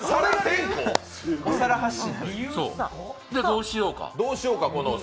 じゃ、どうしようか。